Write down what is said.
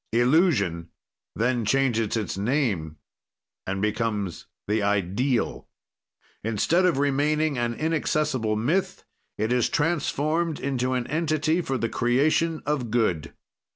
"Illusion then changes its name and becomes the Ideal. "Instead of remaining an inaccessible myth, it is transformed into an entity for the creation of good.